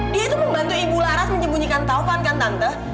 dia itu membantu ibu laras menyembunyikan taufan kan tante